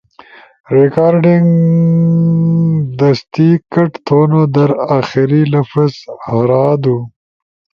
ریکارڈنگ دست کٹ تھؤن در آخری لفظ ہارادو